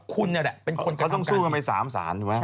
คุณเนี่ยแหละเป็นคนกับการกัน